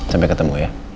sampai ketemu ya